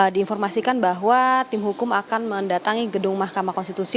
diinformasikan bahwa tim hukum akan mendatangi gedung mahkamah konstitusi